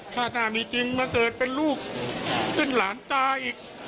ชาติหน้ามีจริงมาเกิดเป็นลูกเป็นหลานตาอีก